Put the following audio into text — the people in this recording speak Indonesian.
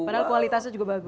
padahal kualitasnya juga bagus